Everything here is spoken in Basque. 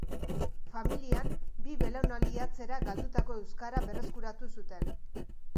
Familian bi belaunaldi atzera galdutako euskara berreskuratu zuten.